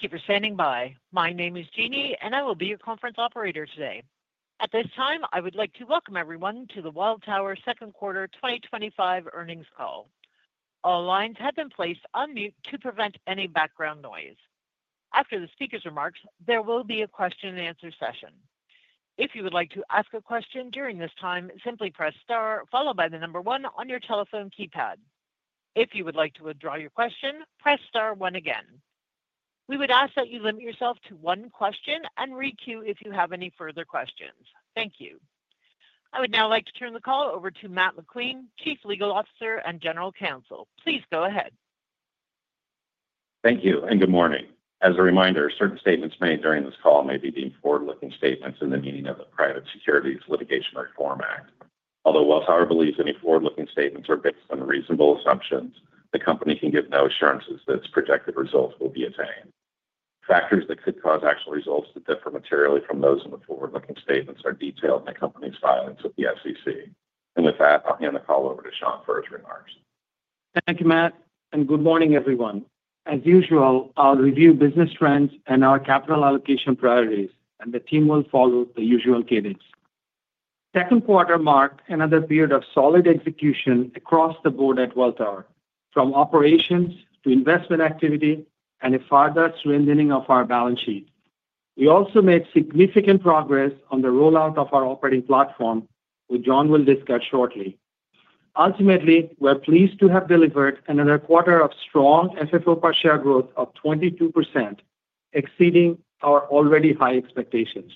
Thank you for standing by. My name is Jeannie, and I will be your conference operator today. At this time, I would like to welcome everyone to the Welltower second quarter 2025 earnings call. All lines have been placed on mute to prevent any background noise. After the speaker's remarks, there will be a question-and-answer session. If you would like to ask a question during this time, simply press star followed by the number one on your telephone keypad. If you would like to withdraw your question, press star one again. We would ask that you limit yourself to one question and requeue if you have any further questions. Thank you. I would now like to turn the call over to Matt McQueen, Chief Legal Officer and General Counsel. Please go ahead. Thank you, and good morning. As a reminder, certain statements made during this call may be deemed forward-looking statements in the meaning of the Private Securities Litigation Reform Act. Although Welltower believes any forward-looking statements are based on reasonable assumptions, the company can give no assurances that its projected results will be attained. Factors that could cause actual results that differ materially from those in the forward-looking statements are detailed in the company's filings with the SEC. With that, I'll hand the call over to Shankh for his remarks. Thank you, Matt, and good morning, everyone. As usual, I'll review business trends and our capital allocation priorities, and the team will follow the usual cadence. Second quarter marked another period of solid execution across the board at Welltower, from operations to investment activity and a further strengthening of our balance sheet. We also made significant progress on the rollout of our operating platform, which John will discuss shortly. Ultimately, we're pleased to have delivered another quarter of strong FFO per share growth of 22%, exceeding our already high expectations.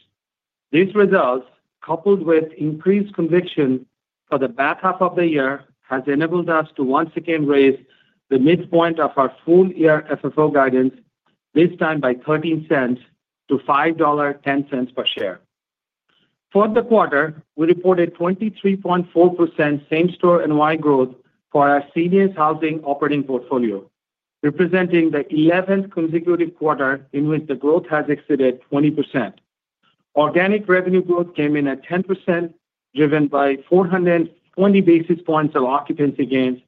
These results, coupled with increased conviction for the back half of the year, have enabled us to once again raise the midpoint of our full-year FFO guidance, this time by $0.13-$5.10 per share. For the quarter, we reported 23.4% same-store NOI growth for our seniors housing operating portfolio, representing the 11th consecutive quarter in which the growth has exceeded 20%. Organic revenue growth came in at 10%, driven by 420 basis points of occupancy gains,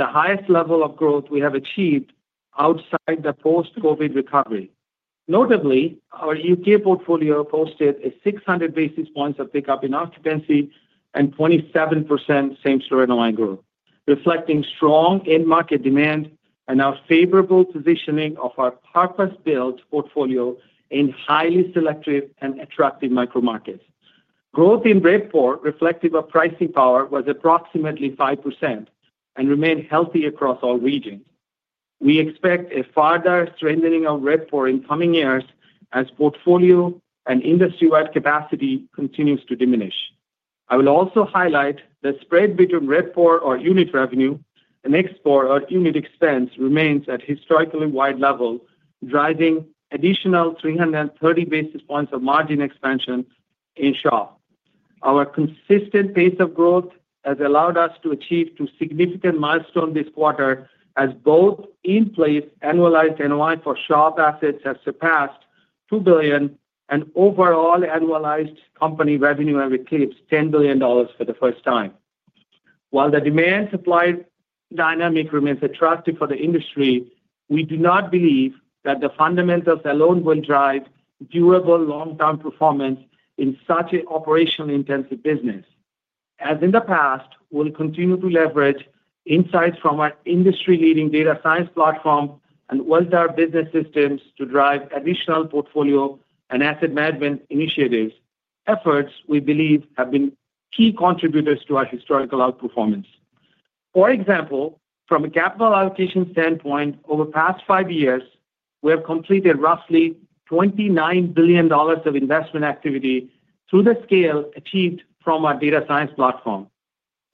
the highest level of growth we have achieved outside the post-COVID recovery. Notably, our U.K. portfolio posted a 600 basis points of pickup in occupancy and 27% same-store NOI growth, reflecting strong end-market demand and our favorable positioning of our purpose-built portfolio in highly selective and attractive micro-markets. Growth in rent per unit, reflective of pricing power, was approximately 5% and remained healthy across all regions. We expect a further strengthening of rent per unit in coming years as portfolio and industry-wide capacity continues to diminish. I will also highlight the spread between rent per unit, or unit revenue, and expense per unit, or unit expense, which remains at a historically wide level, driving additional 330 basis points of margin expansion in SHOP. Our consistent pace of growth has allowed us to achieve two significant milestones this quarter, as both in-place annualized NOI for SHOP assets have surpassed $2 billion, and overall annualized company revenue has eclipsed $10 billion for the first time. While the demand-supply dynamic remains attractive for the industry, we do not believe that the fundamentals alone will drive durable long-term performance in such an operationally intensive business. As in the past, we'll continue to leverage insights from our industry-leading data science platform and well-thought-out business systems to drive additional portfolio and asset management initiatives, efforts we believe have been key contributors to our historical outperformance. For example, from a capital allocation standpoint, over the past five years, we have completed roughly $29 billion of investment activity through the scale achieved from our data science platform.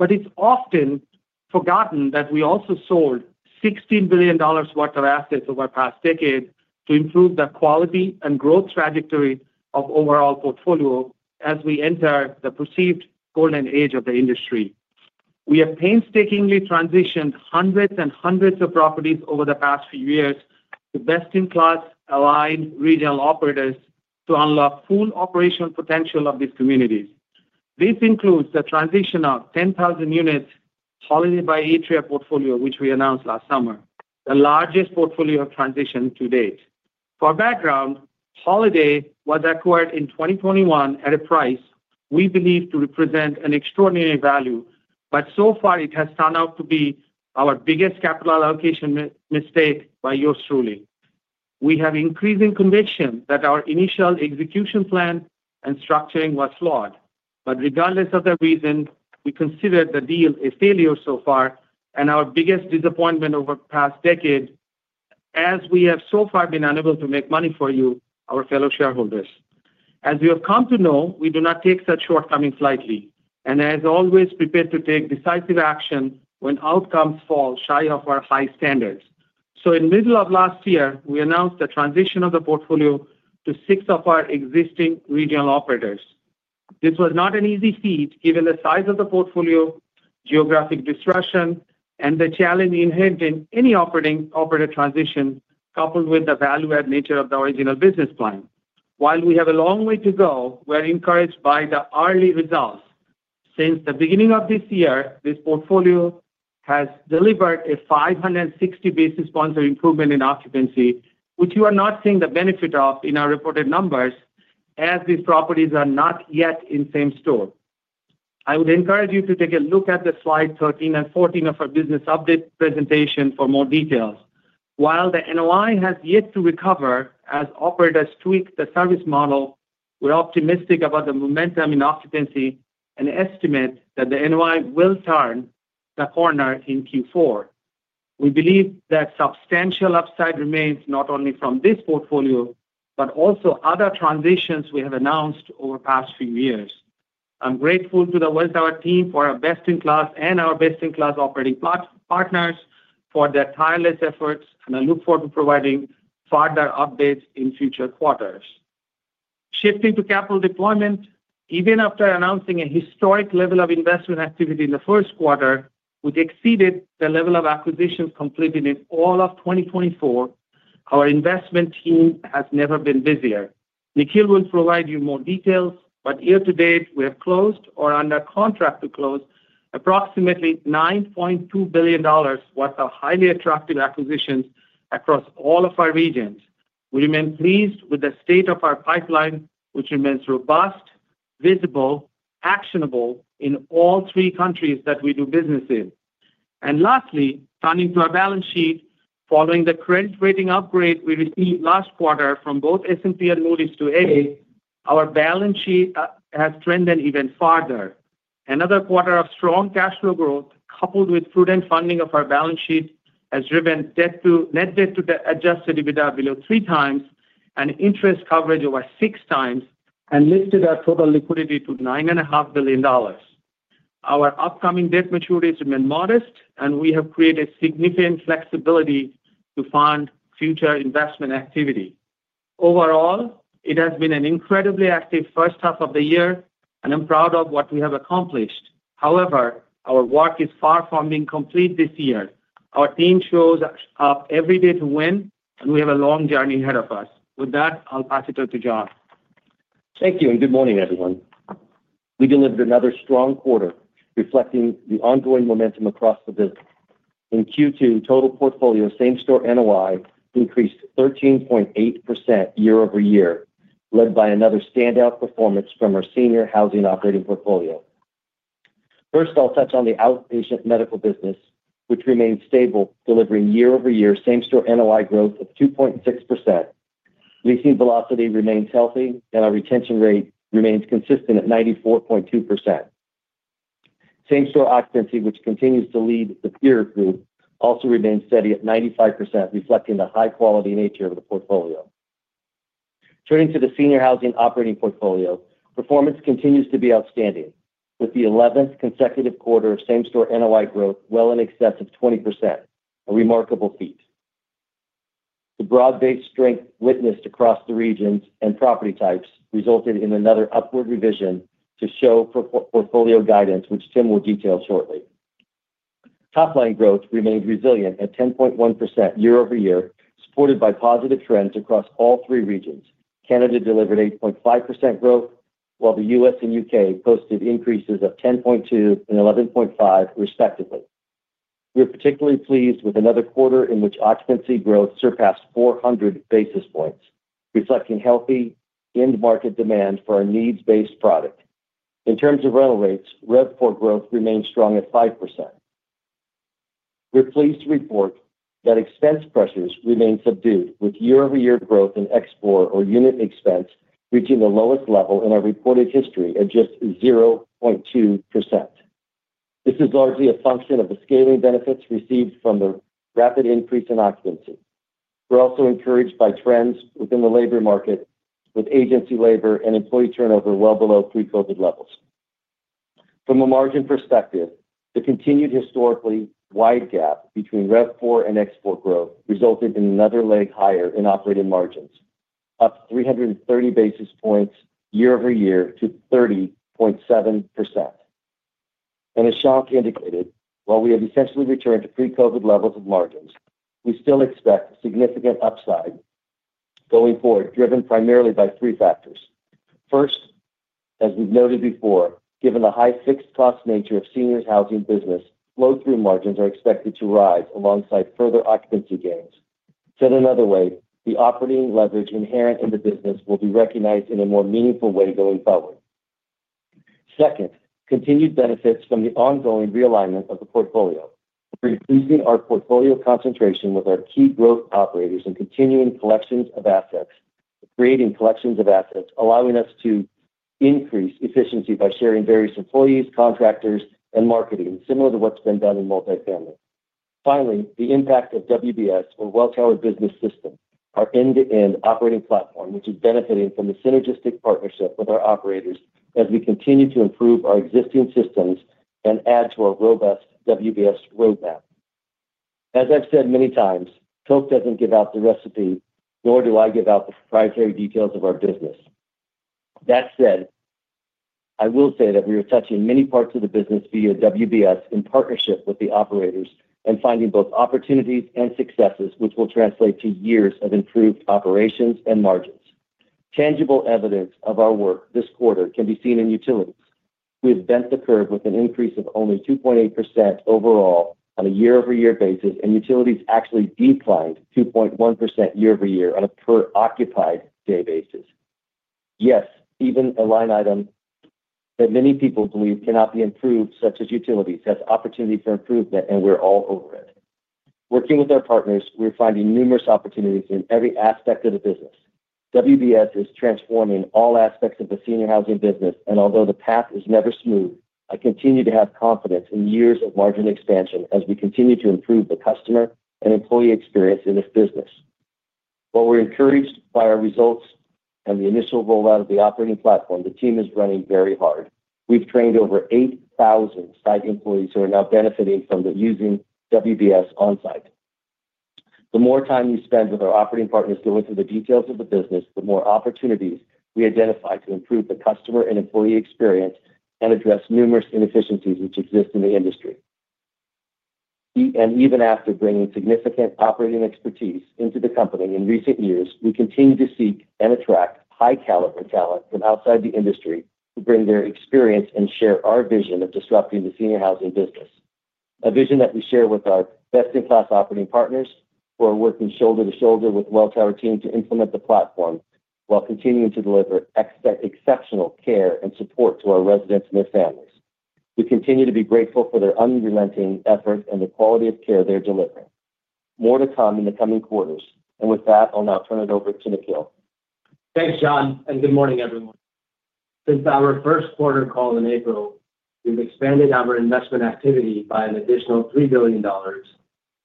It is often forgotten that we also sold $16 billion worth of assets over the past decade to improve the quality and growth trajectory of overall portfolio as we enter the perceived golden age of the industry. We have painstakingly transitioned hundreds and hundreds of properties over the past few years to best-in-class, aligned regional operators to unlock full operational potential of these communities. This includes the transition of 10,000 units Holiday by Atria portfolio, which we announced last summer, the largest portfolio transition to date. For background, Holiday was acquired in 2021 at a price we believe to represent an extraordinary value, but so far, it has turned out to be our biggest capital allocation mistake by yours truly. We have increasing conviction that our initial execution plan and structuring were flawed. Regardless of the reason, we consider the deal a failure so far and our biggest disappointment over the past decade, as we have so far been unable to make money for you, our fellow shareholders. As you have come to know, we do not take such shortcomings lightly and, as always, prepare to take decisive action when outcomes fall shy of our high standards. In the middle of last year, we announced the transition of the portfolio to six of our existing regional operators. This was not an easy feat given the size of the portfolio, geographic disruption, and the challenge inherent in any operator transition, coupled with the value-add nature of the original business plan. While we have a long way to go, we're encouraged by the early results. Since the beginning of this year, this portfolio has delivered a 560 basis points of improvement in occupancy, which you are not seeing the benefit of in our reported numbers, as these properties are not yet in same-store. I would encourage you to take a look at the slides 13 and 14 of our business update presentation for more details. While the NOI has yet to recover as operators tweak the service model, we're optimistic about the momentum in occupancy and estimate that the NOI will turn the corner in Q4. We believe that substantial upside remains not only from this portfolio but also other transitions we have announced over the past few years. I'm grateful to the Welltower team for our best-in-class and our best-in-class operating partners for their tireless efforts, and I look forward to providing further updates in future quarters. Shifting to capital deployment, even after announcing a historic level of investment activity in the first quarter, which exceeded the level of acquisitions completed in all of 2024, our investment team has never been busier. Nikhil will provide you more details, but year-to-date, we have closed or are under contract to close approximately $9.2 billion, what are highly attractive acquisitions across all of our regions. We remain pleased with the state of our pipeline, which remains robust, visible, and actionable in all three countries that we do business in. Lastly, turning to our balance sheet, following the credit-rating upgrade we received last quarter from both S&P and Moody's to A, our balance sheet has trended even further. Another quarter of strong cash flow growth, coupled with prudent funding of our balance sheet, has driven net debt-to-adjusted EBITDA below three times and interest coverage over six times, and lifted our total liquidity to $9.5 billion. Our upcoming debt maturities remain modest, and we have created significant flexibility to fund future investment activity. Overall, it has been an incredibly active first half of the year, and I'm proud of what we have accomplished. However, our work is far from being complete this year. Our team shows up every day to win, and we have a long journey ahead of us. With that, I'll pass it over to John. Thank you, and good morning, everyone. We delivered another strong quarter, reflecting the ongoing momentum across the business. In Q2, total portfolio same-store NOI increased 13.8% year-over-year, led by another standout performance from our seniors housing operating portfolio. First, I'll touch on the outpatient medical business, which remains stable, delivering year-over-year same-store NOI growth of 2.6%. Leasing velocity remains healthy, and our retention rate remains consistent at 94.2%. Same-store occupancy, which continues to lead the peer group, also remains steady at 95%, reflecting the high-quality nature of the portfolio. Turning to the seniors housing operating portfolio, performance continues to be outstanding, with the 11th consecutive quarter of same-store NOI growth well in excess of 20%, a remarkable feat. The broad-based strength witnessed across the regions and property types resulted in another upward revision to SHOP portfolio guidance, which Tim will detail shortly. Top-line growth remained resilient at 10.1% year-over-year, supported by positive trends across all three regions. Canada delivered 8.5% growth, while the U.S. and U.K. posted increases of 10.2% and 11.5%, respectively. We're particularly pleased with another quarter in which occupancy growth surpassed 400 basis points, reflecting healthy end-market demand for our needs-based product. In terms of rental rates, RevPOR growth remained strong at 5%. We're pleased to report that expense pressures remain subdued, with year-over-year growth in ExpPOR, or unit expense, reaching the lowest level in our reported history at just 0.2%. This is largely a function of the scaling benefits received from the rapid increase in occupancy. We're also encouraged by trends within the labor market, with agency labor and employee turnover well below pre-COVID levels. From a margin perspective, the continued historically wide gap between RevPOR and ExpPOR growth resulted in another leg higher in operating margins, up 330 basis points year-over-year to 30.7%. As Shankh indicated, while we have essentially returned to pre-COVID levels of margins, we still expect significant upside going forward, driven primarily by three factors. First, as we've noted before, given the high fixed-cost nature of the seniors housing business, flow-through margins are expected to rise alongside further occupancy gains. Said another way, the operating leverage inherent in the business will be recognized in a more meaningful way going forward. Second, continued benefits from the ongoing realignment of the portfolio, reducing our portfolio concentration with our key growth operators and continuing collections of assets, creating collections of assets, allowing us to increase efficiency by sharing various employees, contractors, and marketing, similar to what has been done in multifamily. Finally, the impact of WBS, or Welltower Business System, our end-to-end operating platform, which is benefiting from the synergistic partnership with our operators as we continue to improve our existing systems and add to our robust WBS roadmap. As I have said many times, Tilt does not give out the recipe, nor do I give out the proprietary details of our business. That said, I will say that we are touching many parts of the business via WBS in partnership with the operators and finding both opportunities and successes, which will translate to years of improved operations and margins. Tangible evidence of our work this quarter can be seen in utilities. We have bent the curve with an increase of only 2.8% overall on a year-over-year basis, and utilities actually declined 2.1% year-over-year on a per-occupied-day basis. Yes, even a line item that many people believe cannot be improved, such as utilities, has opportunity for improvement, and we are all over it. Working with our partners, we are finding numerous opportunities in every aspect of the business. WBS is transforming all aspects of the senior housing business, and although the path is never smooth, I continue to have confidence in years of margin expansion as we continue to improve the customer and employee experience in this business. While we are encouraged by our results and the initial rollout of the operating platform, the team is running very hard. We have trained over 8,000 site employees who are now benefiting from using WBS on-site. The more time we spend with our operating partners going through the details of the business, the more opportunities we identify to improve the customer and employee experience and address numerous inefficiencies which exist in the industry. Even after bringing significant operating expertise into the company in recent years, we continue to seek and attract high-caliber talent from outside the industry to bring their experience and share our vision of disrupting the senior housing business. A vision that we share with our best-in-class operating partners who are working shoulder to shoulder with the Welltower team to implement the platform while continuing to deliver exceptional care and support to our residents and their families. We continue to be grateful for their unrelenting effort and the quality of care they're delivering. More to come in the coming quarters. With that, I'll now turn it over to Nikhil. Thanks, John, and good morning, everyone. Since our first quarter call in April, we've expanded our investment activity by an additional $3 billion,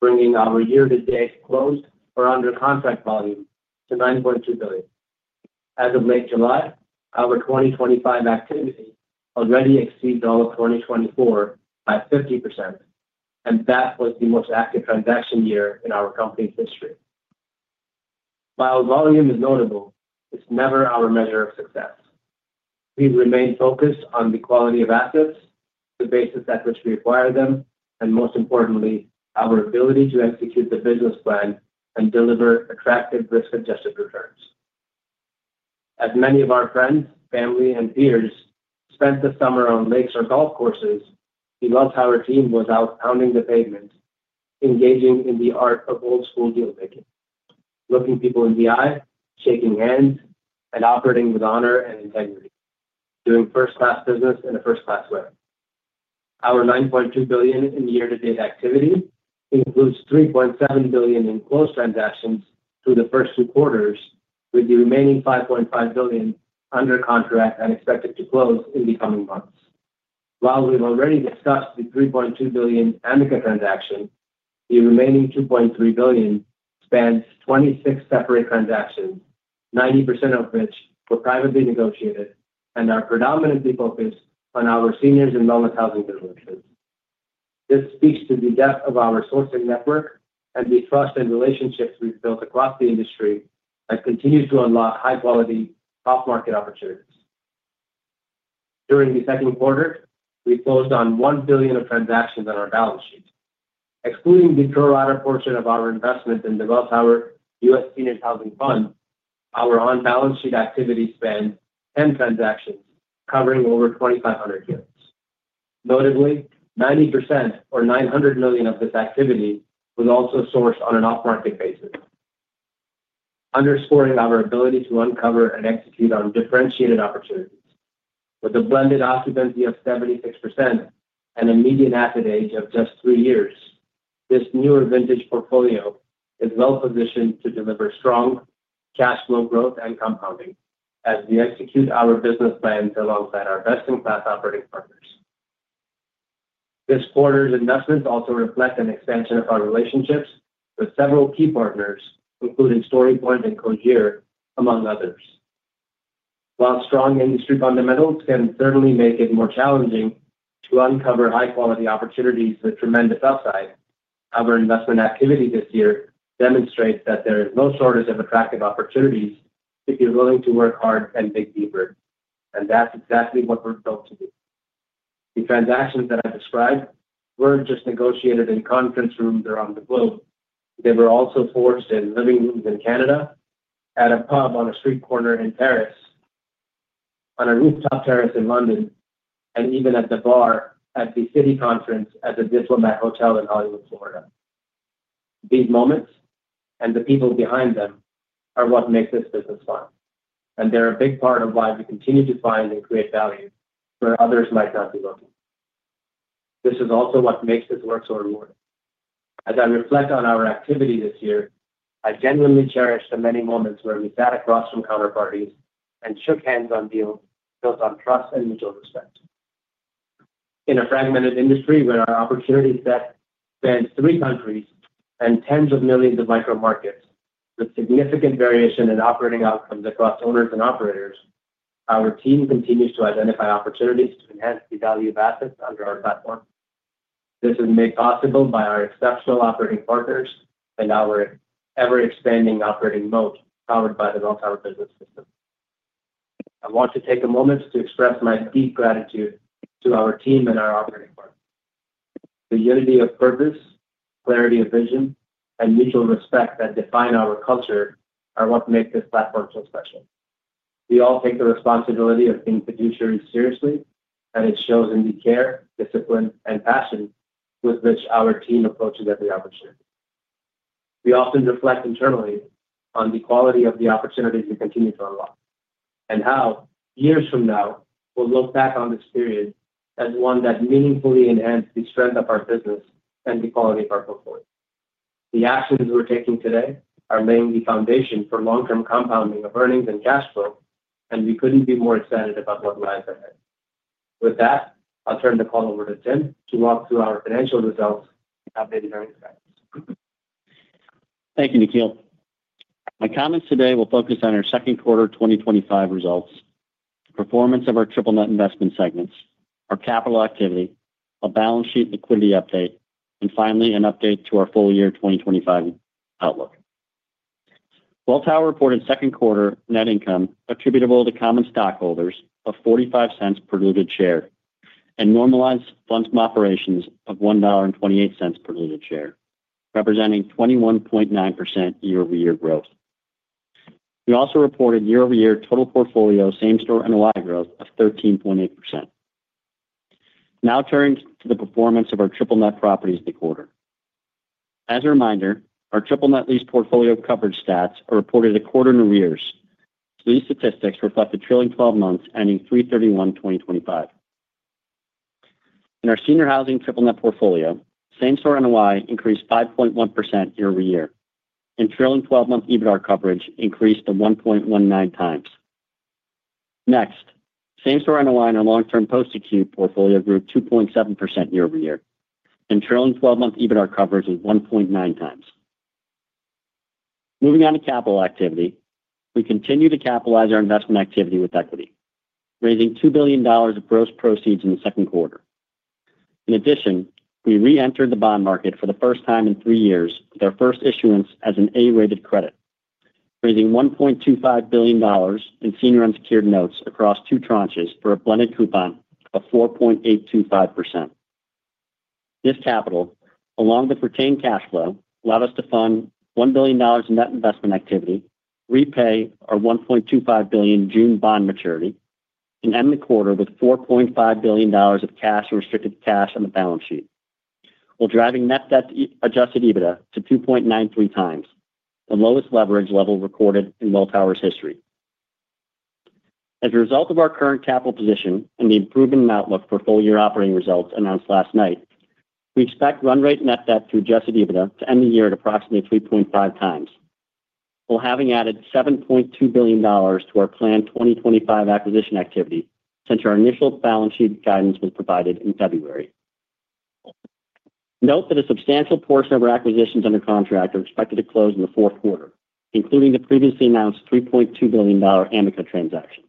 bringing our year-to-date closed or under contract volume to $9.2 billion. As of late July, our 2025 activity already exceeded all of 2024 by 50%. That was the most active transaction year in our company's history. While volume is notable, it's never our measure of success. We remain focused on the quality of assets, the basis at which we acquire them, and most importantly, our ability to execute the business plan and deliver attractive risk-adjusted returns. As many of our friends, family, and peers spent the summer on lakes or golf courses, the Welltower team was out pounding the pavement, engaging in the art of old-school deal-making, looking people in the eye, shaking hands, and operating with honor and integrity, doing first-class business in a first-class way. Our $9.2 billion in year-to-date activity includes $3.7 billion in closed transactions through the first two quarters, with the remaining $5.5 billion under contract and expected to close in the coming months. While we've already discussed the $3.2 billion Amica transaction, the remaining $2.3 billion spans 26 separate transactions, 90% of which were privately negotiated and are predominantly focused on our seniors and wellness housing businesses. This speaks to the depth of our sourcing network and the trust and relationships we've built across the industry that continue to unlock high-quality off-market opportunities. During the second quarter, we closed on $1 billion of transactions on our balance sheet. Excluding the pro-rata portion of our investment in the Welltower U.S. Seniors Housing Fund, our on-balance sheet activity spanned 10 transactions covering over 2,500 units. Notably, 90%, or $900 million, of this activity was also sourced on an off-market basis, underscoring our ability to uncover and execute on differentiated opportunities. With a blended occupancy of 76% and a median asset age of just three years, this newer vintage portfolio is well-positioned to deliver strong cash flow growth and compounding as we execute our business plans alongside our best-in-class operating partners. This quarter's investments also reflect an expansion of our relationships with several key partners, including StoryPoint and Cogir, among others. While strong industry fundamentals can certainly make it more challenging to uncover high-quality opportunities with tremendous upside, our investment activity this year demonstrates that there is no shortage of attractive opportunities if you're willing to work hard and dig deeper. That's exactly what we're built to do. The transactions that I've described weren't just negotiated in conference rooms around the globe. They were also forged in living rooms in Canada, at a pub on a street corner in Paris, on a rooftop terrace in London, and even at the bar at the City Conference at the Diplomat Hotel in Hollywood, Florida. These moments and the people behind them are what makes this business fun. They're a big part of why we continue to find and create value where others might not be looking. This is also what makes this work so rewarding. As I reflect on our activity this year, I genuinely cherish the many moments where we sat across from counterparties and shook hands on deals built on trust and mutual respect. In a fragmented industry where our opportunity set spans three countries and tens of millions of micro-markets, with significant variation in operating outcomes across owners and operators, our team continues to identify opportunities to enhance the value of assets under our platform. This has been made possible by our exceptional operating partners and our ever-expanding operating moat powered by the Welltower Business System. I want to take a moment to express my deep gratitude to our team and our operating partners. The unity of purpose, clarity of vision, and mutual respect that define our culture are what make this platform so special. We all take the responsibility of being fiduciary seriously, and it shows in the care, discipline, and passion with which our team approaches every opportunity. We often reflect internally on the quality of the opportunities we continue to unlock and how, years from now, we'll look back on this period as one that meaningfully enhanced the strength of our business and the quality of our portfolio. The actions we're taking today are laying the foundation for long-term compounding of earnings and cash flow, and we couldn't be more excited about what lies ahead. With that, I'll turn the call over to Tim to walk through our financial results and how they've been very exciting. Thank you, Nikhil. My comments today will focus on our second quarter 2025 results, the performance of our triple net investment segments, our capital activity, a balance sheet liquidity update, and finally, an update to our full year 2025 outlook. Welltower reported second quarter net income attributable to common stockholders of $0.45 per diluted share and normalized funds from operations of $1.28 per diluted share, representing 21.9% year-over-year growth. We also reported year-over-year total portfolio same-store NOI growth of 13.8%. Now turning to the performance of our triple net properties in the quarter. As a reminder, our triple net lease portfolio coverage stats are reported a quarter in arrears. These statistics reflect a trailing 12 months ending March 31, 2025. In our seniors housing triple net portfolio, same-store NOI increased 5.1% year-over-year, and trailing 12-month EBITDA coverage increased to 1.19x. Next, same-store NOI in our long-term post-acute portfolio grew 2.7% year-over-year, and trailing 12-month EBITDA coverage was 1.9x. Moving on to capital activity, we continue to capitalize our investment activity with equity, raising $2 billion of gross proceeds in the second quarter. In addition, we re-entered the bond market for the first time in three years with our first issuance as an A-rated credit, raising $1.25 billion in senior unsecured notes across two tranches for a blended coupon of 4.825%. This capital, along with retained cash flow, allowed us to fund $1 billion in net investment activity, repay our $1.25 billion June bond maturity, and end the quarter with $4.5 billion of cash and restricted cash on the balance sheet, while driving net debt-to-adjusted EBITDA to 2.93x, the lowest leverage level recorded in Welltower's history. As a result of our current capital position and the improvement in outlook for full year operating results announced last night, we expect run rate net debt-to-adjusted EBITDA to end the year at approximately 3.5x, while having added $7.2 billion to our planned 2025 acquisition activity since our initial balance sheet guidance was provided in February. Note that a substantial portion of our acquisitions under contract are expected to close in the fourth quarter, including the previously announced $3.2 billion Amica transaction.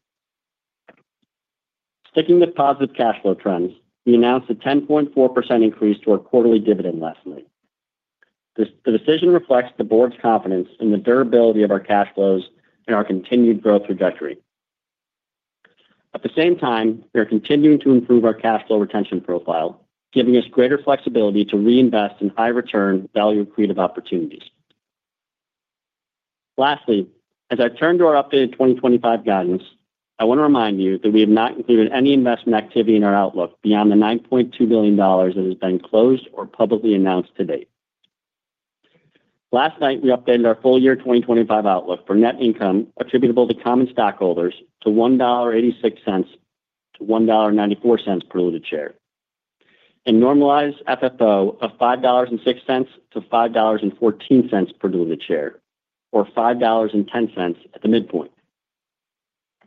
Sticking with positive cash flow trends, we announced a 10.4% increase to our quarterly dividend last night. The decision reflects the board's confidence in the durability of our cash flows and our continued growth trajectory. At the same time, we are continuing to improve our cash flow retention profile, giving us greater flexibility to reinvest in high-return value-creative opportunities. Lastly, as I turn to our updated 2025 guidance, I want to remind you that we have not included any investment activity in our outlook beyond the $9.2 billion that has been closed or publicly announced to date. Last night, we updated our full year 2025 outlook for net income attributable to common stockholders to $1.86-$1.94 per diluted share, and normalized FFO of $5.06-$5.14 per diluted share, or $5.10 at the midpoint.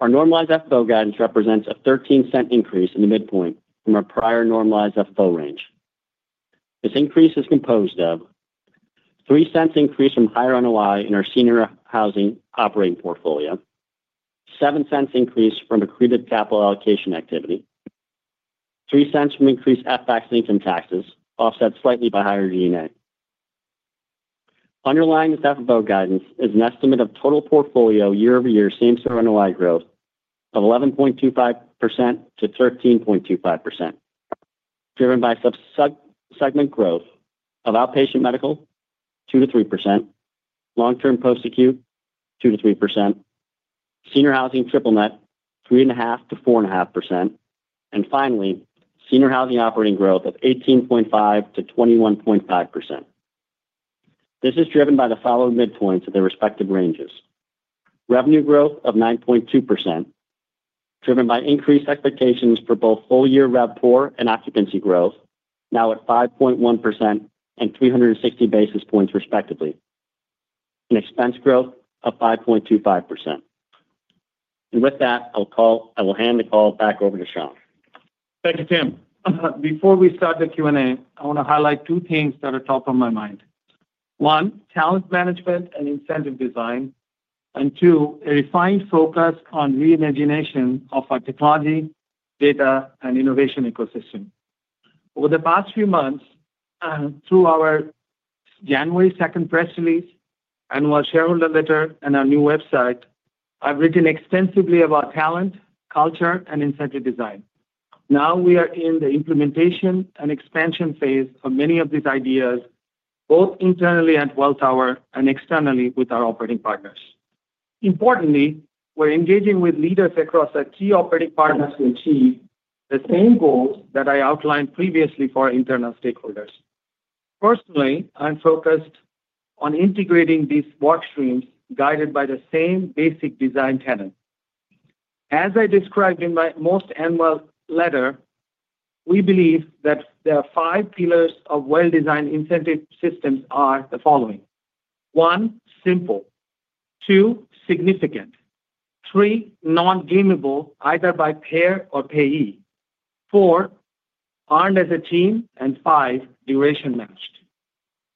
Our normalized FFO guidance represents a $0.13 increase in the midpoint from our prior normalized FFO range. This increase is composed of $0.03 increase from higher NOI in our senior housing operating portfolio, $0.07 increase from accretive capital allocation activity, $0.03 from increased FACS income taxes, offset slightly by higher G&A. Underlying this FFO guidance is an estimate of total portfolio year-over-year same-store NOI growth of 11.25%-13.25%, driven by sub-segment growth of outpatient medical, 2%-3%, long-term post-acute, 2%-3%, senior housing triple net, 3.5%-4.5%, and finally, senior housing operating growth of 18.5%-21.5%. This is driven by the following midpoints of their respective ranges: revenue growth of 9.2%, driven by increased expectations for both full year rev core and occupancy growth, now at 5.1% and 360 basis points respectively, and expense growth of 5.25%. With that, I will hand the call back over to Shankh. Thank you, Tim. Before we start the Q&A, I want to highlight two things that are top of my mind. One, talent management and incentive design. And two, a refined focus on reimagination of our technology, data, and innovation ecosystem. Over the past few months, through our January 2nd press release, annual shareholder letter, and our new website, I've written extensively about talent, culture, and incentive design. Now we are in the implementation and expansion phase of many of these ideas, both internally at Welltower and externally with our operating partners. Importantly, we're engaging with leaders across our key operating partners to achieve the same goals that I outlined previously for our internal stakeholders. Personally, I'm focused on integrating these workstreams guided by the same basic design tenet. As I described in my most annual letter, we believe that there are five pillars of well-designed incentive systems: one, simple; two, significant; three, non-gamable, either by payer or payee; four, earned as a team; and five, duration matched.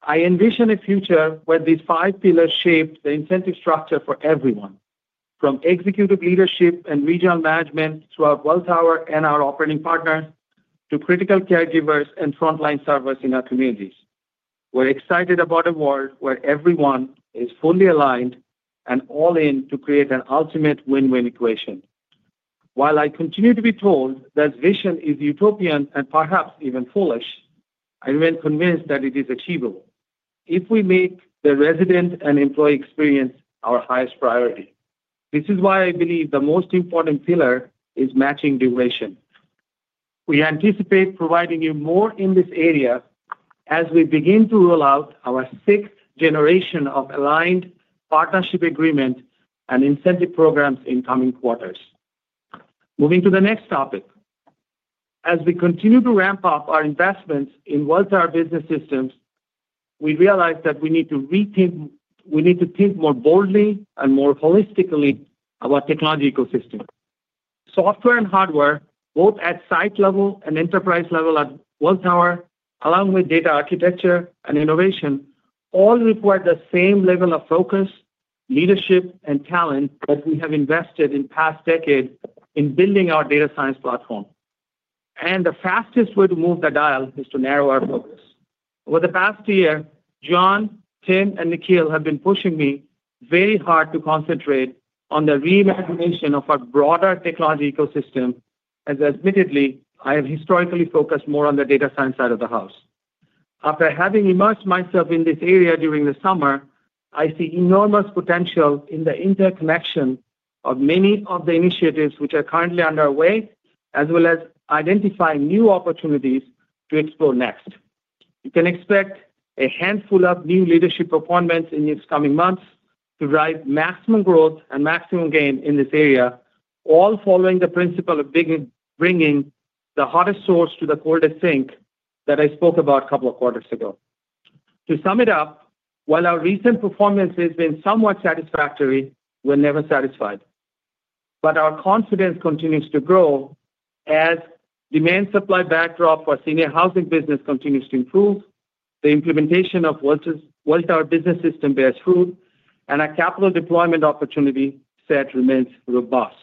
I envision a future where these five pillars shape the incentive structure for everyone, from executive leadership and regional management throughout Welltower and our operating partners to critical caregivers and frontline servers in our communities. We're excited about a world where everyone is fully aligned and all in to create an ultimate win-win equation. While I continue to be told that vision is utopian and perhaps even foolish, I remain convinced that it is achievable if we make the resident and employee experience our highest priority. This is why I believe the most important pillar is matching duration. We anticipate providing you more in this area as we begin to roll out our sixth generation of aligned partnership agreements and incentive programs in coming quarters. Moving to the next topic, as we continue to ramp up our investments in Welltower Business System, we realize that we need to rethink. We need to think more boldly and more holistically about the technology ecosystem. Software and hardware, both at site level and enterprise level at Welltower, along with data architecture and innovation, all require the same level of focus, leadership, and talent that we have invested in the past decade in building our data science platform. The fastest way to move the dial is to narrow our focus. Over the past year, John, Tim, and Nikhil have been pushing me very hard to concentrate on the reimagination of our broader technology ecosystem, as admittedly, I have historically focused more on the data science side of the house. After having immersed myself in this area during the summer, I see enormous potential in the interconnection of many of the initiatives which are currently underway, as well as identifying new opportunities to explore next. You can expect a handful of new leadership appointments in the coming months to drive maximum growth and maximum gain in this area, all following the principle of bringing the hottest source to the coldest sink that I spoke about a couple of quarters ago. To sum it up, while our recent performance has been somewhat satisfactory, we're never satisfied. Our confidence continues to grow as demand supply backdrop for senior housing business continues to improve, the implementation of Welltower Business System bears fruit, and our capital deployment opportunity set remains robust.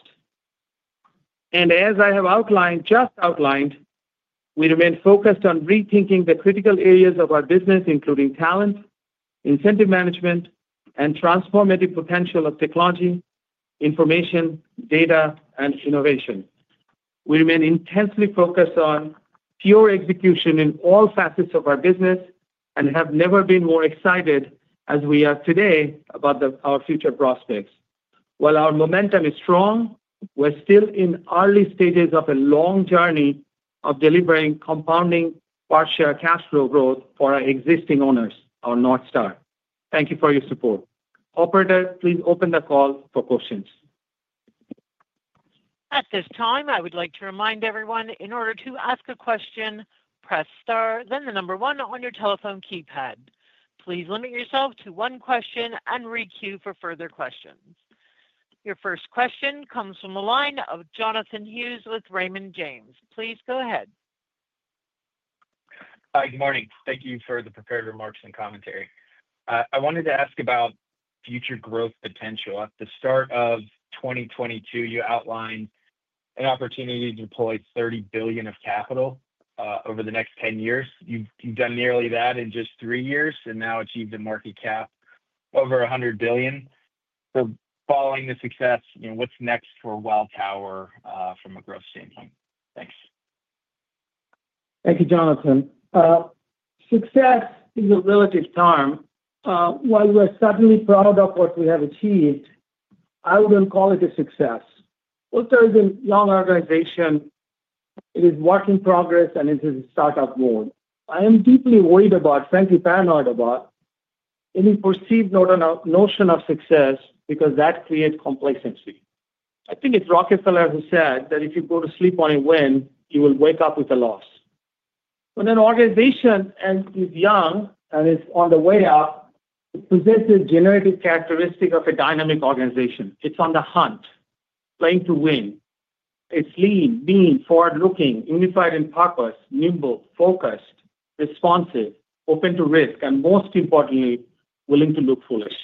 As I have just outlined, we remain focused on rethinking the critical areas of our business, including talent, incentive management, and transformative potential of technology, information, data, and innovation. We remain intensely focused on pure execution in all facets of our business and have never been more excited as we are today about our future prospects. While our momentum is strong, we're still in early stages of a long journey of delivering compounding part-share cash flow growth for our existing owners, our North Star. Thank you for your support. Operator, please open the call for questions. At this time, I would like to remind everyone, in order to ask a question, press Star, then the number one on your telephone keypad. Please limit yourself to one question and re-queue for further questions. Your first question comes from the line of Jonathan Hughes with Raymond James. Please go ahead. Hi, good morning. Thank you for the prepared remarks and commentary. I wanted to ask about future growth potential. At the start of 2022, you outlined an opportunity to deploy $30 billion of capital over the next 10 years. You've done nearly that in just three years and now achieved a market cap over $100 billion. Following the success, what's next for Welltower from a growth standpoint? Thanks. Thank you, Jonathan. Success is a relative term. While we are certainly proud of what we have achieved, I wouldn't call it a success. Welltower is a young organization. It is a work in progress and it is a startup board. I am deeply worried about, frankly paranoid about, any perceived notion of success because that creates complacency. I think it's Rockefeller who said that if you go to sleep on a win, you will wake up with a loss. When an organization is young and is on the way up, it presents a generative characteristic of a dynamic organization. It's on the hunt, playing to win. It's lean, mean, forward-looking, unified in purpose, nimble, focused, responsive, open to risk, and most importantly, willing to look foolish.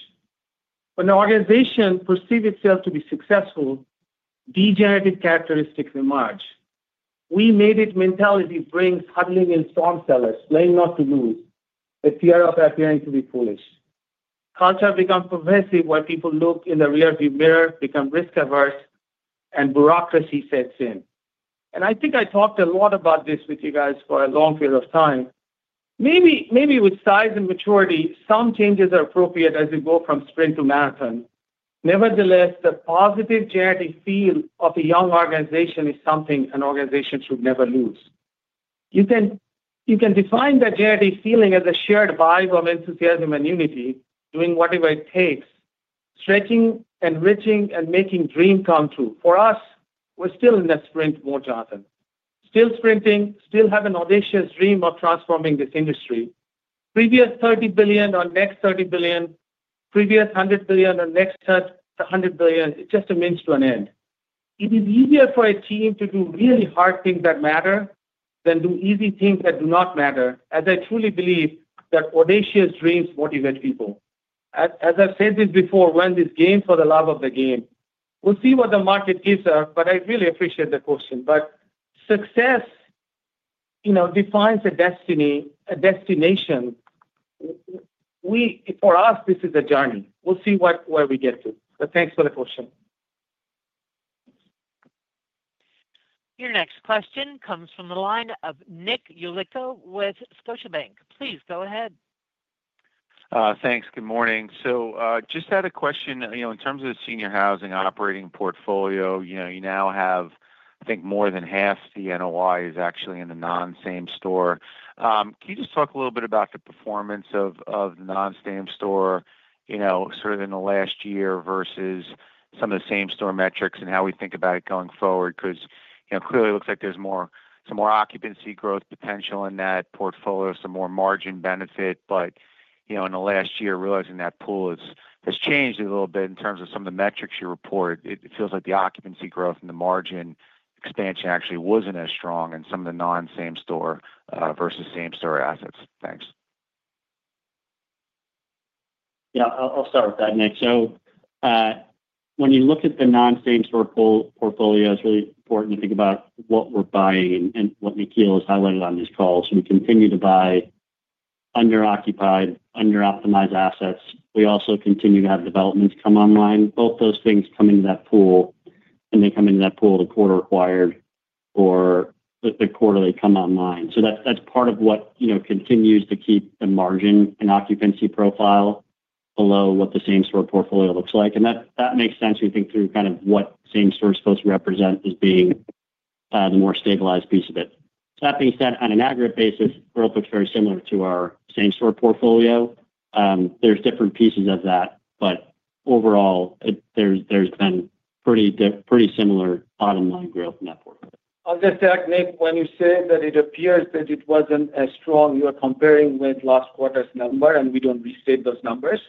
When an organization perceives itself to be successful, degenerative characteristics emerge. We made it mentality brings huddling in storm cellars, playing not to lose, the fear of appearing to be foolish. Culture becomes pervasive where people look in the rearview mirror, become risk averse, and bureaucracy sets in. I think I talked a lot about this with you guys for a long period of time. Maybe with size and maturity, some changes are appropriate as you go from sprint to marathon. Nevertheless, the positive generative feel of a young organization is something an organization should never lose. You can define that generative feeling as a shared vibe of enthusiasm and unity, doing whatever it takes, stretching, enriching, and making dreams come true. For us, we're still in the sprint mode, Jonathan. Still sprinting, still have an audacious dream of transforming this industry. Previous $30 billion or next $30 billion, previous $100 billion or next $100 billion, it just amends to an end. It is easier for a team to do really hard things that matter than do easy things that do not matter, as I truly believe that audacious dreams motivate people. As I've said this before, we're in this game for the love of the game. We'll see what the market gives us, but I really appreciate the question. Success defines a destination. For us, this is a journey. We'll see where we get to. Thanks for the question. Your next question comes from the line of Nick Yulico with Scotiabank. Please go ahead. Thanks. Good morning. Just had a question. In terms of the senior housing operating portfolio, you now have, I think, more than half the NOIs actually in the non-same store. Can you just talk a little bit about the performance of the non-same store, sort of in the last year versus some of the same-store metrics and how we think about it going forward? Clearly it looks like there is some more occupancy growth potential in that portfolio, some more margin benefit. In the last year, realizing that pool has changed a little bit in terms of some of the metrics you report, it feels like the occupancy growth and the margin expansion actually was not as strong in some of the non-same store versus same-store assets. Thanks. Yeah, I'll start with that, Nick. When you look at the non-same store portfolio, it's really important to think about what we're buying and what Nikhil has highlighted on this call. We continue to buy under-occupied, under-optimized assets. We also continue to have developments come online. Both those things come into that pool, and they come into that pool the quarter required or the quarter they come online. That's part of what continues to keep the margin and occupancy profile below what the same-store portfolio looks like. That makes sense, we think, through kind of what same-store is supposed to represent as being the more stabilized piece of it. That being said, on an aggregate basis, growth looks very similar to our same-store portfolio. There are different pieces of that, but overall, there's been pretty similar bottom-line growth in that portfolio. I'll just add, Nick, when you say that it appears that it wasn't as strong, you are comparing with last quarter's number, and we don't restate those numbers.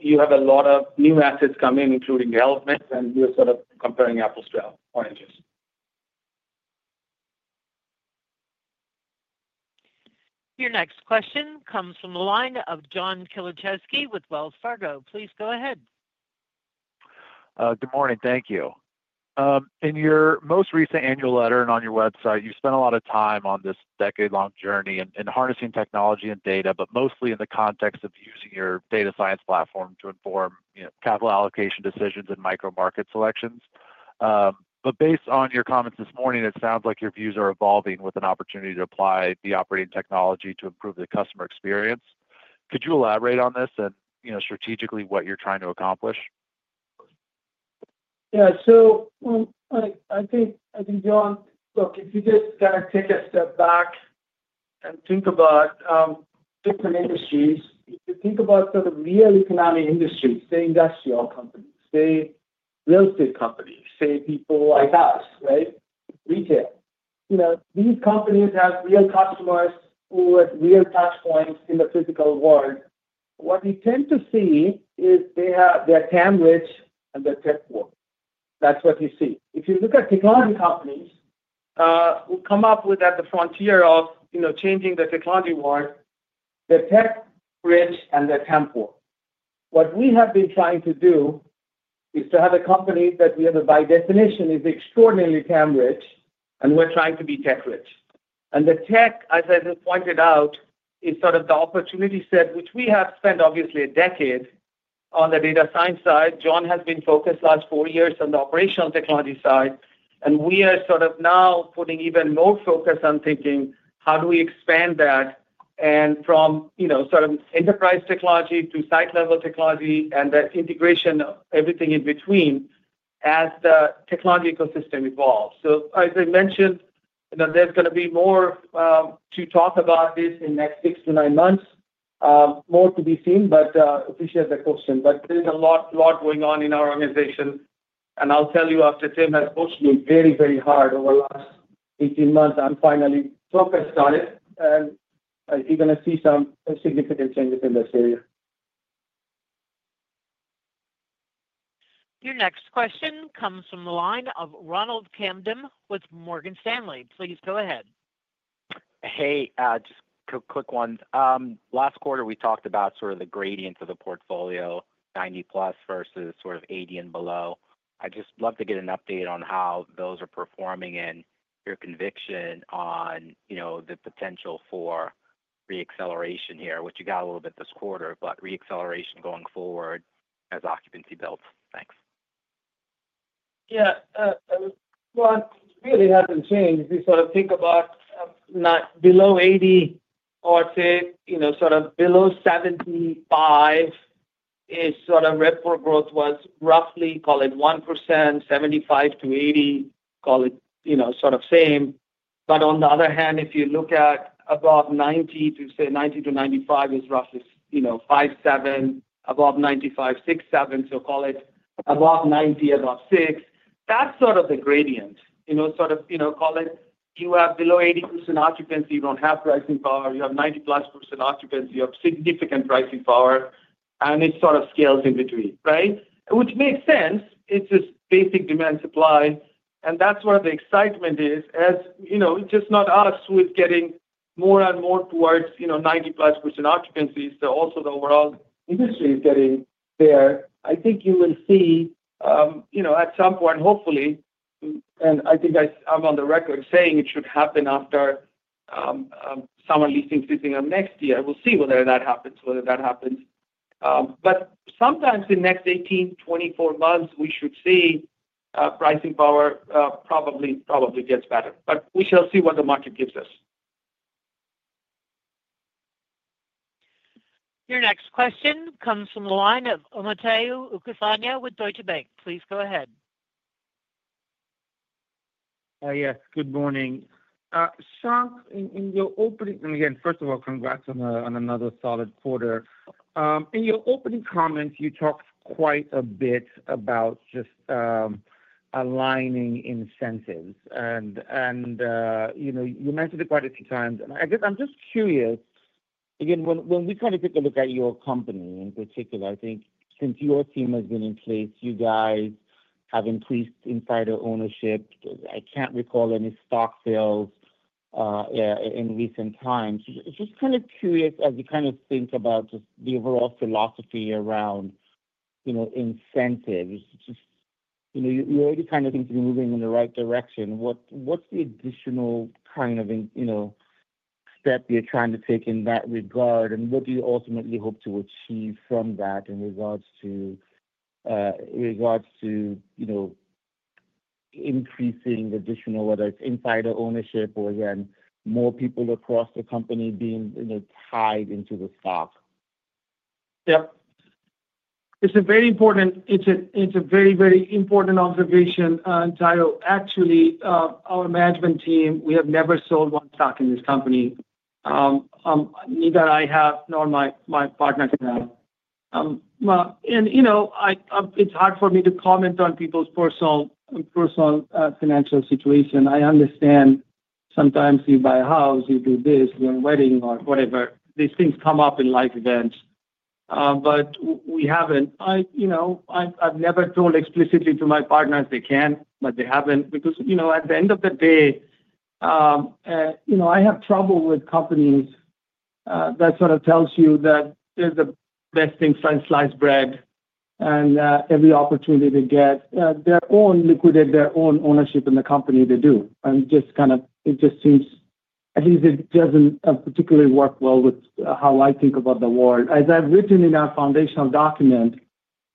You have a lot of new assets come in, including developments, and you're sort of comparing apples to oranges. Your next question comes from the line of John Kilichowski with Wells Fargo. Please go ahead. Good morning. Thank you. In your most recent annual letter and on your website, you spent a lot of time on this decade-long journey in harnessing technology and data, but mostly in the context of using your data science platform to inform capital allocation decisions and micro-market selections. Based on your comments this morning, it sounds like your views are evolving with an opportunity to apply the operating technology to improve the customer experience. Could you elaborate on this and strategically what you're trying to accomplish? Yeah. So, I think, John, look, if you just kind of take a step back and think about different industries, if you think about sort of real economic industries, say industrial companies, say real estate companies, say people like us, right? Retail. These companies have real customers who are real touchpoints in the physical world. What we tend to see is they're tech-rich and they're tech-poor. That's what you see. If you look at technology companies who come up with at the frontier of changing the technology world, they're tech-rich and they're tech-poor. What we have been trying to do is to have a company that we have by definition is extraordinarily tech-rich, and we're trying to be tech-rich. And the tech, as I just pointed out, is sort of the opportunity set, which we have spent obviously a decade on the data science side. John has been focused the last four years on the operational technology side, and we are sort of now putting even more focus on thinking, how do we expand that. From sort of enterprise technology to site-level technology and the integration of everything in between. As the technology ecosystem evolves. There is going to be more to talk about this in the next six to nine months. More to be seen, but appreciate the question. There is a lot going on in our organization. I'll tell you, after Tim has pushed me very, very hard over the last 18 months, I'm finally focused on it. You're going to see some significant changes in this area. Your next question comes from the line of Ronald Kamdem with Morgan Stanley. Please go ahead. Hey, just a quick one. Last quarter, we talked about sort of the gradient of the portfolio, 90-plus versus sort of 80 and below. I'd just love to get an update on how those are performing and your conviction on the potential for re-acceleration here, which you got a little bit this quarter, but re-acceleration going forward as occupancy builds. Thanks. Yeah. It really hasn't changed. If you sort of think about below 80, I would say sort of below 75 is sort of where poor growth was, roughly, call it 1%. 75-80, call it sort of same. On the other hand, if you look at above 90, to say 90-95 is roughly 5-7. Above 95, 6-7. Call it above 90, above 6. That's sort of the gradient. Sort of call it you have below 80% occupancy, you don't have pricing power. You have 90+% occupancy, you have significant pricing power, and it sort of scales in between, right? Which makes sense. It's just basic demand supply. That's where the excitement is, as it's just not us who is getting more and more towards 90+% occupancy. Also the overall industry is getting there. I think you will see at some point, hopefully. I think I'm on the record saying it should happen after summer leasing season of next year. We'll see whether that happens, whether that happens. Sometimes in the next 18-24 months, we should see pricing power probably gets better. We shall see what the market gives us. Your next question comes from the line of Omotayo Okusanya with Deutsche Bank. Please go ahead. Yes. Good morning. Shank, in your opening and again, first of all, congrats on another solid quarter. In your opening comments, you talked quite a bit about just aligning incentives. You mentioned it quite a few times. I guess I'm just curious. Again, when we kind of take a look at your company in particular, I think since your team has been in place, you guys have increased insider ownership. I can't recall any stock sales in recent times. Just kind of curious, as you kind of think about just the overall philosophy around incentives, just, you already kind of think you're moving in the right direction. What's the additional kind of step you're trying to take in that regard? What do you ultimately hope to achieve from that in regards to increasing additional, whether it's insider ownership or again, more people across the company being tied into the stock? Yep. It's a very important, it's a very, very important observation, Omotayo. Actually, our management team, we have never sold one stock in this company. Neither I have nor my partners have. It's hard for me to comment on people's personal financial situation. I understand. Sometimes you buy a house, you do this, you have a wedding, or whatever. These things come up in life events. We haven't. I've never told explicitly to my partners they can, but they haven't. At the end of the day, I have trouble with companies that sort of tell you that there's the best thing: French fries, bread, and every opportunity they get, they own, liquidate their own ownership in the company they do. It just kind of, it just seems at least it doesn't particularly work well with how I think about the world. As I've written in our foundational document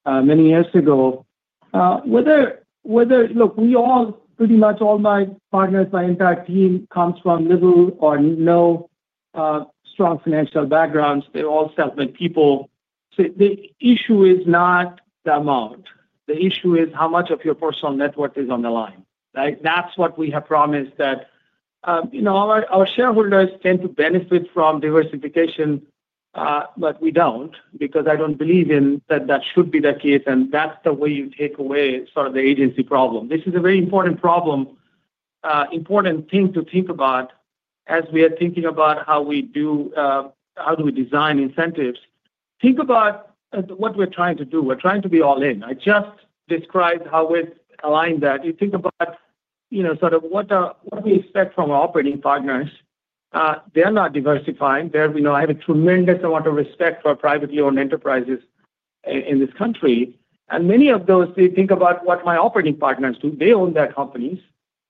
many years ago. Look, we all, pretty much all my partners, my entire team comes from little or no strong financial backgrounds. They're all self-made people. The issue is not the amount. The issue is how much of your personal net worth is on the line. That's what we have promised. Our shareholders tend to benefit from diversification. We don't. I don't believe in that, that should be the case. That's the way you take away sort of the agency problem. This is a very important problem, important thing to think about as we are thinking about how we do, how do we design incentives. Think about what we're trying to do. We're trying to be all in. I just described how we've aligned that. You think about sort of what we expect from our operating partners. They're not diversifying. I have a tremendous amount of respect for privately owned enterprises in this country. Many of those, they think about what my operating partners do. They own their companies,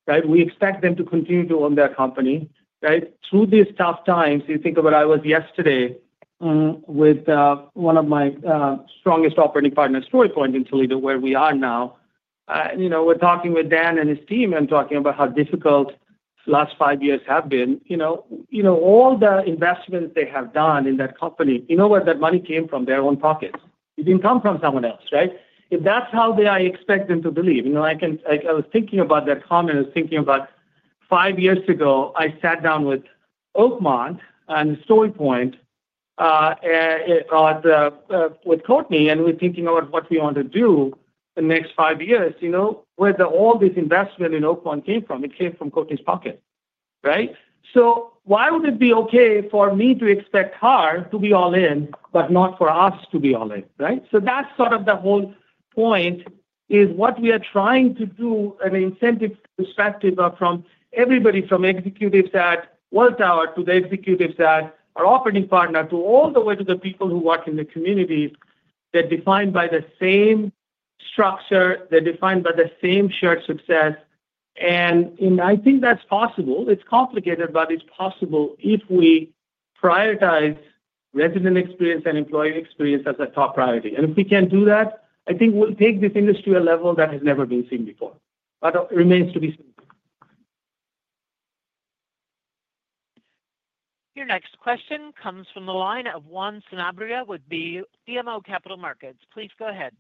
right? We expect them to continue to own their company, right? Through these tough times, you think about, I was yesterday with one of my strongest operating partners, StoryPoint in Toledo, where we are now. We're talking with Dan and his team and talking about how difficult the last five years have been. All the investments they have done in that company, you know where that money came from? Their own pockets. It didn't come from someone else, right? If that's how they expect them to believe. I was thinking about that comment. I was thinking about five years ago, I sat down with Oakmont and StoryPoint. With Courtney, and we're thinking about what we want to do the next five years. Where all this investment in Oakmont came from? It came from Courtney's pocket, right? Why would it be okay for me to expect her to be all in, but not for us to be all in, right? That is sort of the whole point, what we are trying to do from an incentive perspective from everybody, from executives at Wells Fargo to the executives at our operating partner all the way to the people who work in the communities. They're defined by the same structure. They're defined by the same shared success. I think that's possible. It's complicated, but it's possible if we prioritize resident experience and employee experience as a top priority. If we can do that, I think we'll take this industry to a level that has never been seen before. It remains to be seen. Your next question comes from the line of Juan Sanabria with BMO Capital Markets. Please go ahead.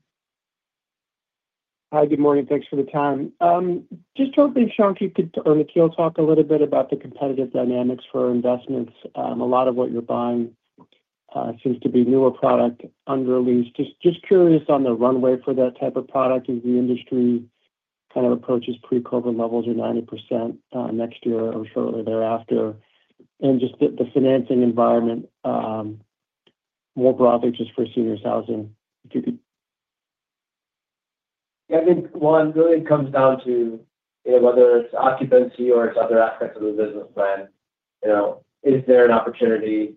Hi, good morning. Thanks for the time. Just jumping, Shank, if Nikhil talked a little bit about the competitive dynamics for investments. A lot of what you're buying seems to be newer product under lease. Just curious on the runway for that type of product. Is the industry kind of approaches pre-COVID levels or 90% next year or shortly thereafter? Just the financing environment more broadly, just for seniors' housing, if you could. Yeah. I think, one, really it comes down to whether it's occupancy or it's other aspects of the business plan. Is there an opportunity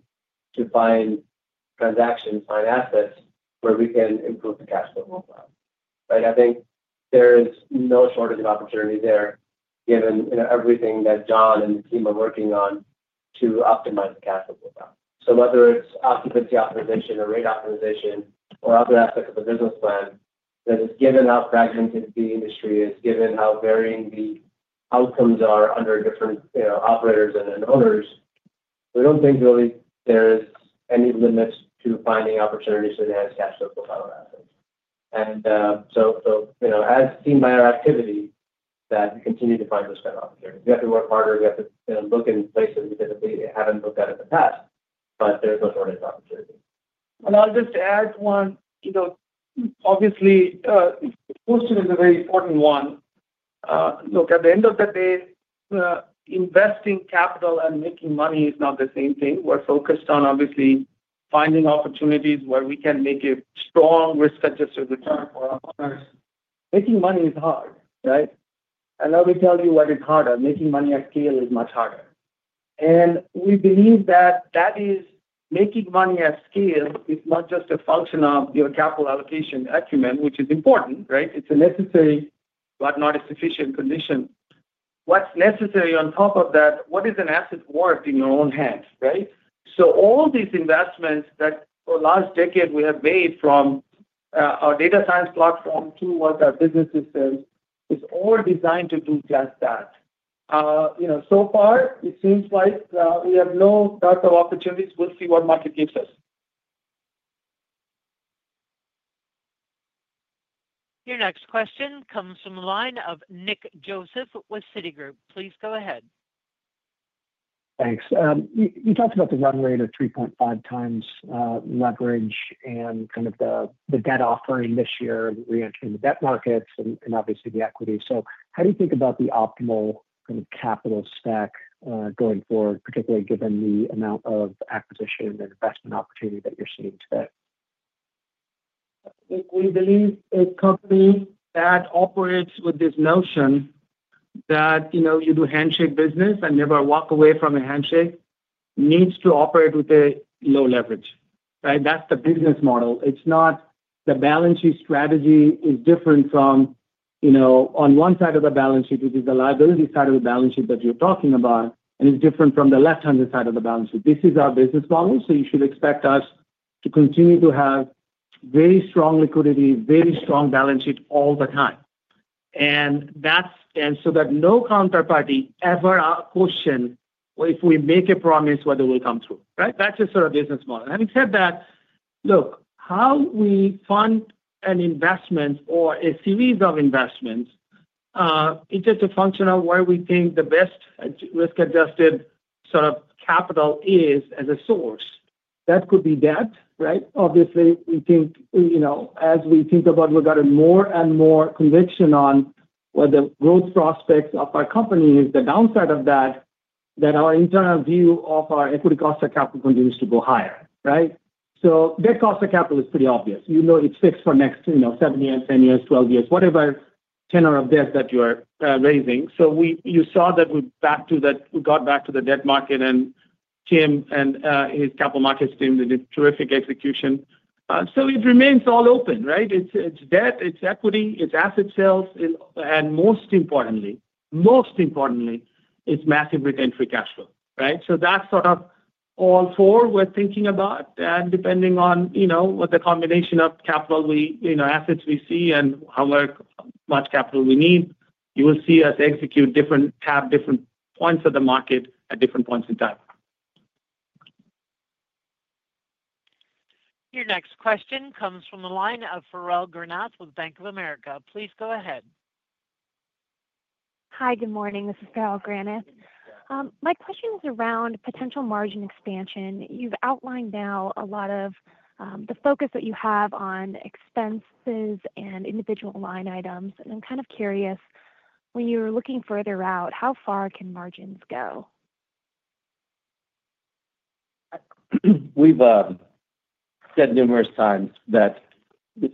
to find transactions, find assets where we can improve the cash flow profile? I think there is no shortage of opportunity there given everything that John and the team are working on to optimize the cash flow profile. Whether it's occupancy optimization or rate optimization or other aspects of the business plan, that is given how fragmented the industry is, given how varying the outcomes are under different operators and owners, we don't think really there is any limit to finding opportunities for enhanced cash flow profile assets. As seen by our activity, we continue to find those kind of opportunities. We have to work harder. We have to look in places we typically haven't looked at in the past, but there is no shortage of opportunity. I'll just add one. Obviously, the question is a very important one. Look, at the end of the day, investing capital and making money is not the same thing. We're focused on, obviously, finding opportunities where we can make a strong risk-adjusted return for our partners. Making money is hard, right? Let me tell you what is harder. Making money at scale is much harder. We believe that making money at scale is not just a function of your capital allocation acumen, which is important, right? It's a necessary but not a sufficient condition. What's necessary on top of that? What is an asset worth in your own hands, right? All these investments that for the last decade we have made from our data science platform to what our business systems is all designed to do just that. So far, it seems like we have no doubt of opportunities. We'll see what market gives us. Your next question comes from the line of Nick Joseph with Citi. Please go ahead. Thanks. You talked about the runway to 3.5x leverage and kind of the debt offering this year, reentering the debt markets and obviously the equity. How do you think about the optimal kind of capital stack going forward, particularly given the amount of acquisition and investment opportunity that you're seeing today? We believe a company that operates with this notion that you do handshake business and never walk away from a handshake needs to operate with a low leverage, right? That's the business model. It's not the balance sheet strategy is different from. On one side of the balance sheet, which is the liability side of the balance sheet that you're talking about, and it's different from the left-hand side of the balance sheet. This is our business model. You should expect us to continue to have very strong liquidity, very strong balance sheet all the time. That no counterparty ever question if we make a promise, whether we'll come through, right? That's just sort of business model. Having said that, look, how we fund an investment or a series of investments. It's just a function of where we think the best risk-adjusted sort of capital is as a source. That could be debt, right? Obviously, we think. As we think about, we've got more and more conviction on whether growth prospects of our company is the downside of that, that our internal view of our equity cost of capital continues to go higher, right? Debt cost of capital is pretty obvious. You know it's fixed for next 7 years, 10 years, 12 years, whatever tenor of debt that you're raising. You saw that we got back to the debt market, and Tim and his capital markets team did a terrific execution. It remains all open, right? It's debt, it's equity, it's asset sales, and most importantly, most importantly, it's massive retention cash flow, right? That's sort of all four we're thinking about. Depending on what the combination of capital assets we see and how much capital we need, you will see us execute different points of the market at different points in time. Your next question comes from the line of Farrell Granath with Bank of America. Please go ahead. Hi, good morning. This is Farrell Granath. My question is around potential margin expansion. You've outlined now a lot of the focus that you have on expenses and individual line items. I'm kind of curious, when you're looking further out, how far can margins go? We've said numerous times that